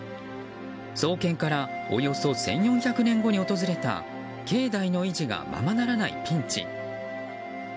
創建からおよそ１４００年後に訪れた境内の維持がままならないピンチ。